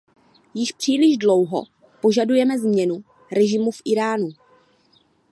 Již příliš dlouho požadujeme změnu režimu v Íránu.